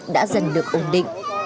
đã dần được ổn định